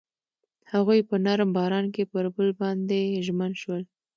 هغوی په نرم باران کې پر بل باندې ژمن شول.